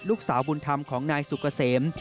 ลูกสาวบุญธรรมของนายสุกเกษม